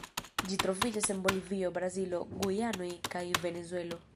Ĝi troviĝas en Bolivio, Brazilo, Gujanoj kaj Venezuelo.